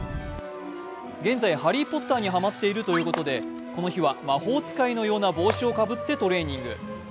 現在、「ハリー・ポッター」にハマッているということでこの日は魔法使いのような帽子をかぶってトレーニング。